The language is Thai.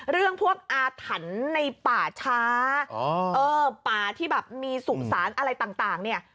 เรื่องพวกอาถรรพ์ในป่าช้าป่าที่แบบมีสุสานอะไรต่างเนี่ย